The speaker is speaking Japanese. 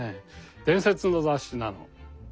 伝説の雑誌なの。